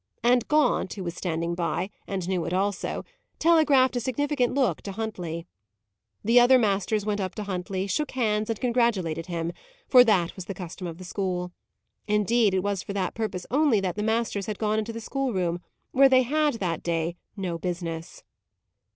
And Gaunt, who was standing by, and knew it also, telegraphed a significant look to Huntley. The other masters went up to Huntley, shook hands, and congratulated him, for that was the custom of the school; indeed, it was for that purpose only that the masters had gone into the schoolroom, where they had, that day, no business.